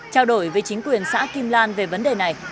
trao đổi với chính quyền xã kim lan về vấn đề này